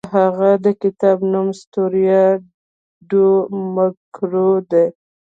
د هغه د کتاب نوم ستوریا ډو مګور دی.